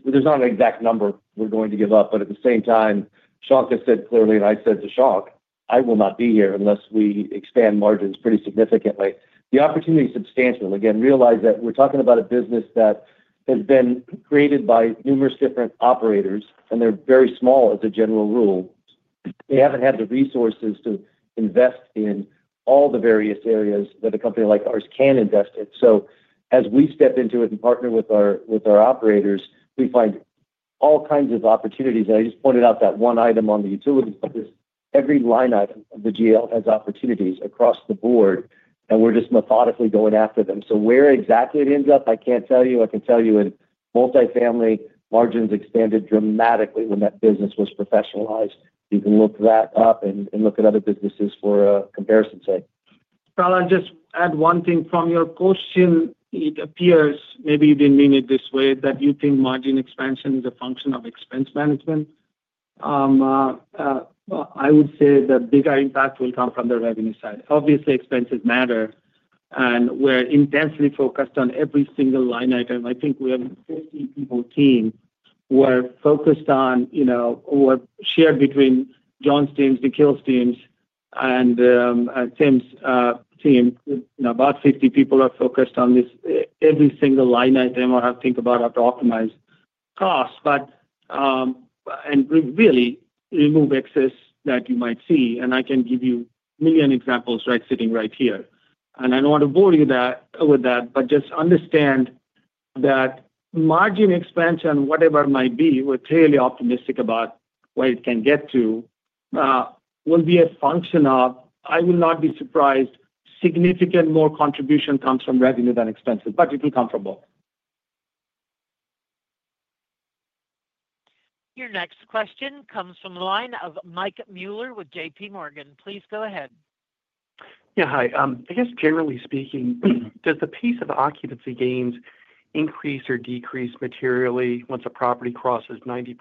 there's not an exact number we're going to give up. At the same time, Shankh has said clearly, and I said to Shank, I will not be here unless we expand margins pretty significantly. The opportunity is substantial. Again, realize that we're talking about a business that has been created by numerous different operators, and they're very small as a general rule. They haven't had the resources to invest in all the various areas that a company like ours can invest in. As we step into it and partner with our operators, we find all kinds of opportunities. I just pointed out that one item on the utilities list. Every line item of the GL has opportunities across the board, and we're just methodically going after them. Where exactly it ends up, I can't tell you. I can tell you in multifamily margins expanded dramatically when that business was professionalized. You can look that up and look at other businesses for comparison's sake. Carl, I'll just add one thing. From your question, it appears maybe you didn't mean it this way, that you think margin expansion is a function of expense management. I would say the bigger impact will come from the revenue side. Obviously, expenses matter, and we're intensely focused on every single line item. I think we have a 50-people team we're focused on, what's shared between John's teams, Nikhil's teams, and Tim's team. About 50 people are focused on this. Every single line item, or I think about how to optimize costs and really remove excess that you might see. I can give you a million examples, right, sitting right here. I don't want to bore you with that, but just understand that margin expansion, whatever it might be, we're clearly optimistic about where it can get to, will be a function of, I will not be surprised, significant more contribution comes from revenue than expenses, but it will come from both. Your next question comes from the line of Mike Mueller with JPMorgan. Please go ahead. Yeah, hi. I guess generally speaking, does the pace of occupancy gains increase or decrease materially once a property crosses 90%,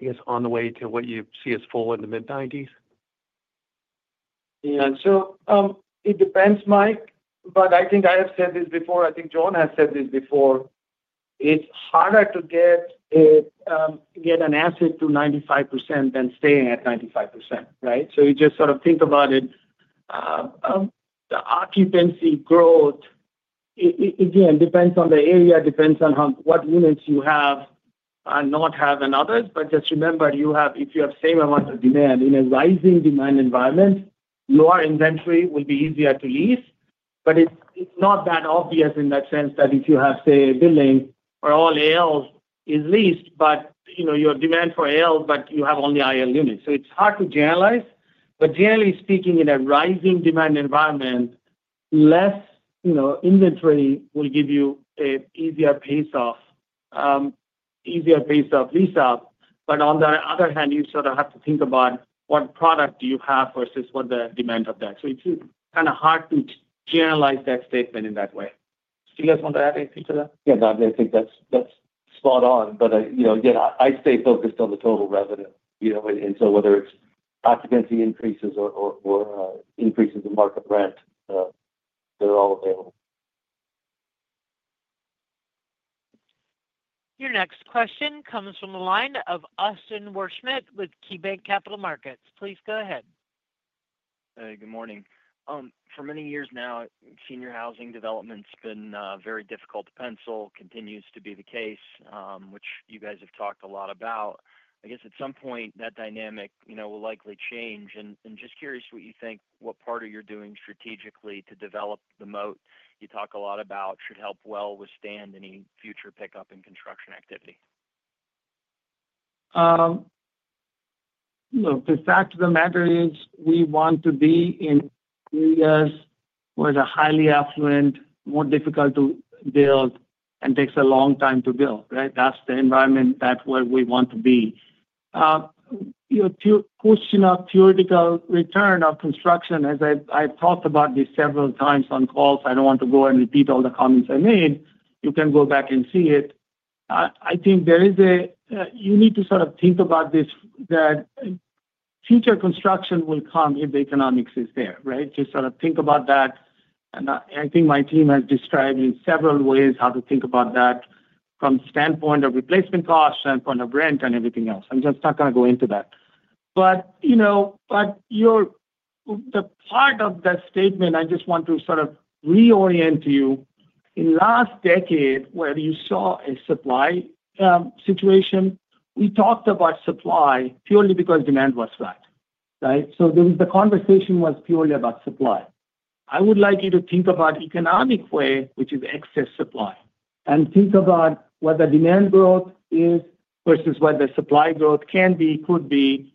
I guess, on the way to what you see as full in the mid-90s? Yeah. So it depends, Mike. But I think I have said this before. I think John has said this before. It's harder to get an asset to 95% than staying at 95%, right? You just sort of think about it. The occupancy growth, again, depends on the area, depends on what units you have and not have and others. Just remember, if you have the same amount of demand in a rising demand environment, lower inventory will be easier to lease. It's not that obvious in that sense that if you have, say, a building where all AL is leased, but your demand for AL, but you have only IL units. It's hard to generalize. Generally speaking, in a rising demand environment, less inventory will give you an easier pace of lease-up. On the other hand, you sort of have to think about what product you have versus what the demand of that is. It's kind of hard to generalize that statement in that way. Nikhil, do you guys want to add anything to that? Yeah, I think that's spot on. Again, I stay focused on the total revenue. Whether it's occupancy increases or increases in market rent, they're all available. Your next question comes from the line of Austin Wurschmidt with KeyBanc Capital Markets. Please go ahead. Hey, good morning. For many years now, senior housing development's been very difficult to pencil, continues to be the case, which you guys have talked a lot about. I guess at some point, that dynamic will likely change. Just curious what you think, what part of what you're doing strategically to develop the moat you talk a lot about should help well withstand any future pickup in construction activity? Look, the fact of the matter is we want to be in areas where it is highly affluent, more difficult to build, and takes a long time to build, right? That is the environment where we want to be. Your question of theoretical return of construction, as I have talked about this several times on calls, I do not want to go and repeat all the comments I made. You can go back and see it. I think there is a you need to sort of think about this, that. Future construction will come if the economics is there, right? Just sort of think about that. I think my team has described in several ways how to think about that. From the standpoint of replacement cost, standpoint of rent, and everything else. I am just not going to go into that. The part of that statement, I just want to sort of reorient you. In the last decade, where you saw a supply situation, we talked about supply purely because demand was flat, right? The conversation was purely about supply. I would like you to think about the economic way, which is excess supply, and think about whether demand growth is versus whether supply growth can be, could be,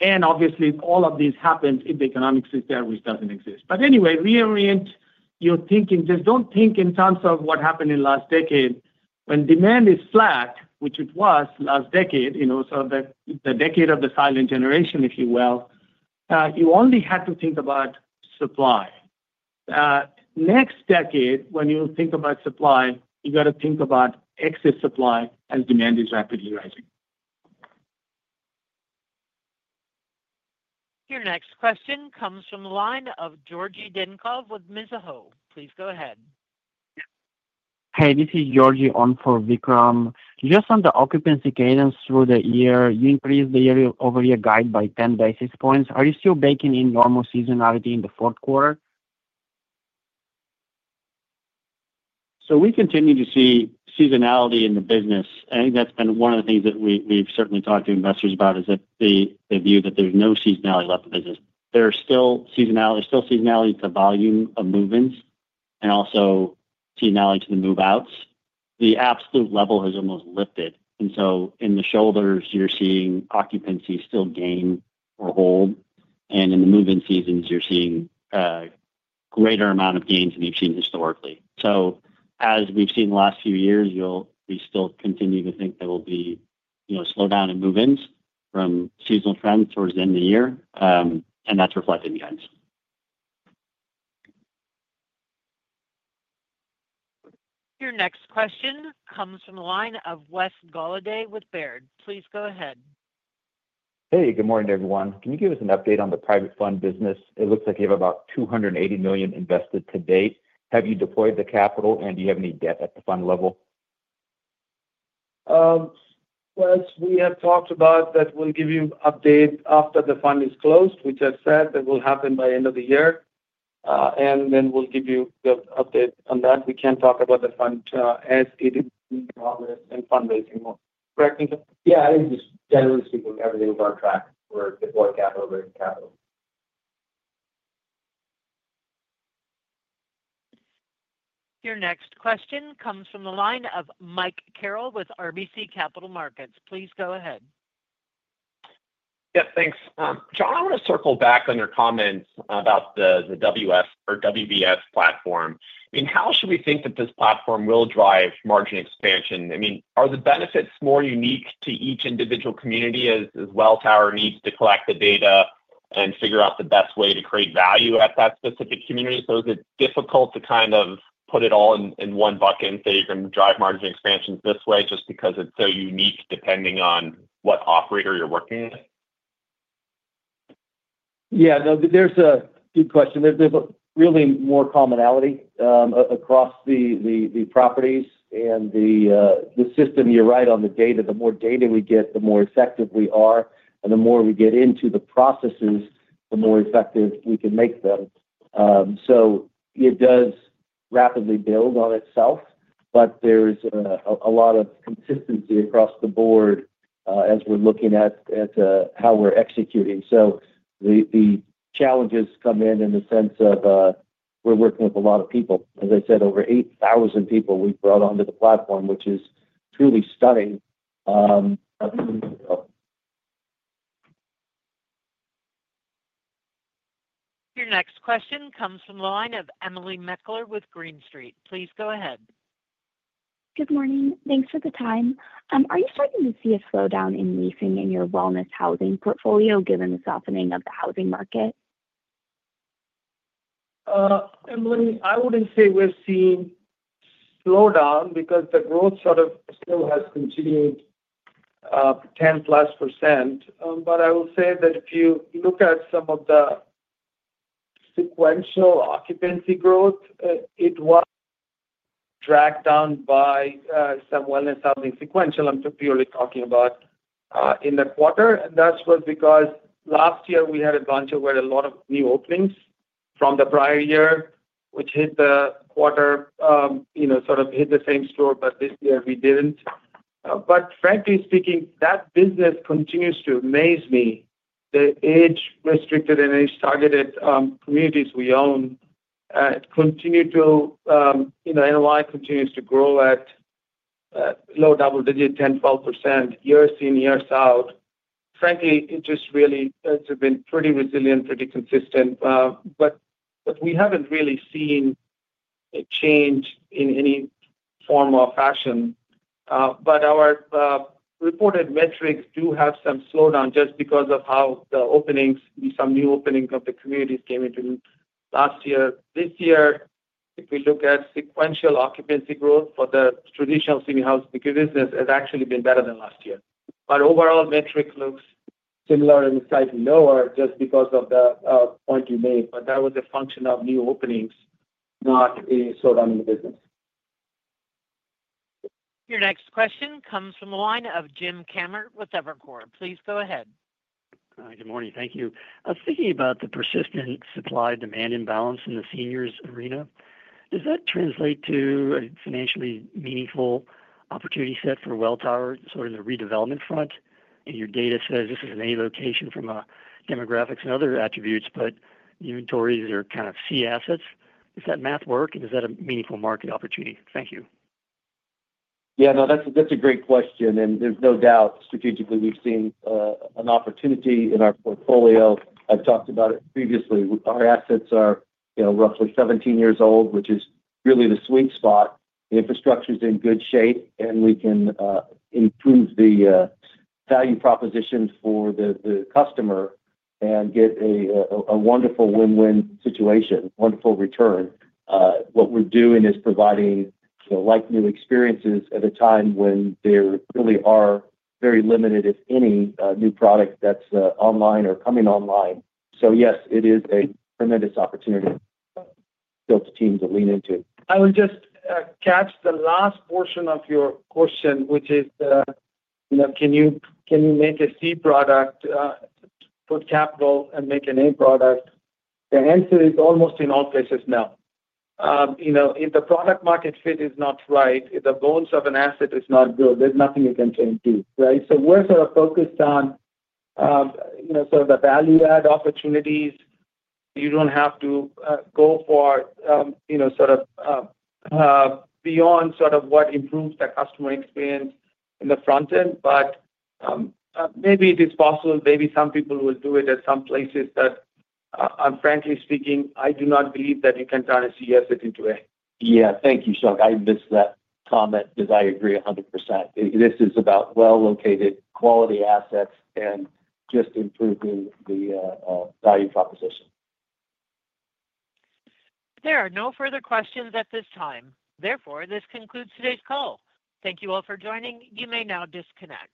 and obviously, all of these happen if the economics is there, which does not exist. Anyway, reorient your thinking. Just do not think in terms of what happened in the last decade. When demand is flat, which it was last decade, sort of the decade of the silent generation, if you will, you only had to think about supply. Next decade, when you think about supply, you have to think about excess supply as demand is rapidly rising. Your next question comes from the line of Georgi Dinkov with Mizuho. Please go ahead. Hey, this is Georgie on for Vikram. Just on the occupancy cadence through the year, you increased the over-year guide by 10 basis points. Are you still baking in normal seasonality in the fourth quarter? We continue to see seasonality in the business. I think that's been one of the things that we've certainly talked to investors about, is the view that there's no seasonality left in business. There's still seasonality to volume of movements and also seasonality to the move-outs. The absolute level has almost lifted. In the shoulders, you're seeing occupancy still gain or hold. In the move-in seasons, you're seeing a greater amount of gains than you've seen historically. As we've seen the last few years, we still continue to think there will be slowdown in movements from seasonal trends towards the end of the year. That's reflected in guidance. Your next question comes from the line of Wes Goliday with Baird. Please go ahead. Hey, good morning, everyone. Can you give us an update on the private fund business? It looks like you have about $280 million invested to date. Have you deployed the capital, and do you have any debt at the fund level? We have talked about that we'll give you an update after the fund is closed, which I've said that will happen by the end of the year. Then we'll give you the update on that. We can't talk about the fund as it is in progress and fundraising mode. Correct, Nikhil? Yeah, I think just generally speaking, everything is on track for deployed capital to raise capital. Your next question comes from the line of Mike Carroll with RBC Capital Markets. Please go ahead. Yep, thanks. John, I want to circle back on your comments about the WBS platform. I mean, how should we think that this platform will drive margin expansion? I mean, are the benefits more unique to each individual community as Welltower needs to collect the data and figure out the best way to create value at that specific community? Is it difficult to kind of put it all in one bucket and say you're going to drive margin expansions this way just because it's so unique depending on what operator you're working with? Yeah, no, that's a good question. There's really more commonality across the properties. The system, you're right on the data. The more data we get, the more effective we are. The more we get into the processes, the more effective we can make them. It does rapidly build on itself, but there's a lot of consistency across the board as we're looking at how we're executing. The challenges come in in the sense of we're working with a lot of people. As I said, over 8,000 people we've brought onto the platform, which is truly stunning. Your next question comes from the line of Emily Meckler with Green Street. Please go ahead. Good morning. Thanks for the time. Are you starting to see a slowdown in leasing in your seniors housing portfolio given the softening of the housing market? Emily, I wouldn't say we're seeing a slowdown because the growth sort of still has continued, 10-plus %. I will say that if you look at some of the sequential occupancy growth, it was dragged down by some wellness housing sequential. I'm purely talking about in the quarter, and that's because last year we had a bunch of a lot of new openings from the prior year, which hit the quarter, sort of hit the same-store, but this year we didn't. Frankly speaking, that business continues to amaze me. The age-restricted and age-targeted communities we own continue to, NOI continues to grow at low double digits, 10-12%, years in, years out. Frankly, it just really has been pretty resilient, pretty consistent. We haven't really seen a change in any form or fashion. Our reported metrics do have some slowdown just because of how the openings, some new openings of the communities came into last year. This year, if we look at sequential occupancy growth for the traditional senior housing business, it has actually been better than last year. Overall, the metric looks similar and slightly lower just because of the point you made. That was a function of new openings, not a slowdown in the business. Your next question comes from the line of Jim Kammert with Evercore. Please go ahead. Good morning. Thank you. Speaking about the persistent supply-demand imbalance in the seniors' arena, does that translate to a financially meaningful opportunity set for Welltower sort of in the redevelopment front? Your data says this is in any location from demographics and other attributes, but the inventories are kind of C assets. Does that math work? Is that a meaningful market opportunity? Thank you. Yeah, no, that's a great question. There's no doubt strategically we've seen an opportunity in our portfolio. I've talked about it previously. Our assets are roughly 17 years old, which is really the sweet spot. The infrastructure is in good shape, and we can improve the value proposition for the customer and get a wonderful win-win situation, wonderful return. What we're doing is providing like-new experiences at a time when there really are very limited, if any, new products that's online or coming online. Yes, it is a tremendous opportunity. Built a team to lean into. I would just catch the last portion of your question, which is. Can you make a C product, put capital and make an A product? The answer is almost in all cases no. If the product-market fit is not right, if the bones of an asset is not good, there's nothing you can change to, right? So we're sort of focused on sort of the value-add opportunities. You don't have to go for sort of beyond sort of what improves the customer experience in the front end. Maybe it is possible. Maybe some people will do it at some places that. I'm frankly speaking, I do not believe that you can turn a C asset into an A. Yeah, thank you, Shankh. I missed that comment because I agree 100%. This is about well-located quality assets and just improving the value proposition. There are no further questions at this time. Therefore, this concludes today's call. Thank you all for joining. You may now disconnect.